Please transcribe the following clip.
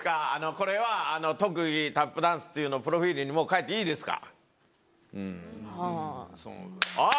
これは特技「タップダンス」っていうのをプロフィールにもう書いていいですか？